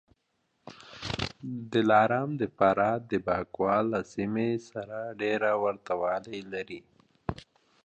دلارام د فراه د بکواه له سیمې سره ډېر ورته والی لري